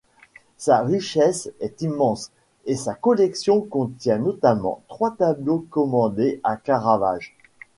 Sa richesse est immense, et sa collection contient notamment trois tableaux commandés à Caravage.